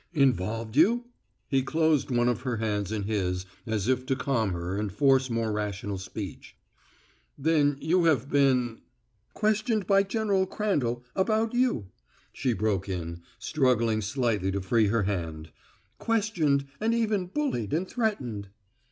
"Involved you?" He closed one of her hands in his as if to calm her and force more rational speech. "Then you have been " "Questioned by General Crandall about you," she broke in, struggling slightly to free her hand. "Questioned and even bullied and threatened."